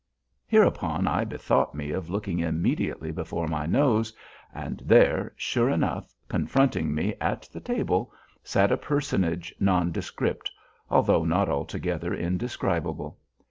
Hereupon I bethought me of looking immediately before my nose, and there, sure enough, confronting me at the table sat a personage nondescript, although not altogether indescribable.